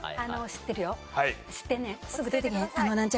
知ってる。